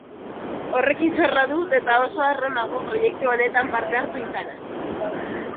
Horrekin zorra dut, eta oso harro nago proiektu honetan parte hartu izanaz.